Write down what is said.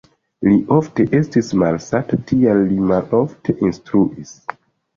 Li ofte estis malsana, tial li malofte instruis.